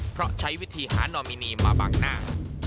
เพราะใช้วิธีหานอมินีมาบังหน้า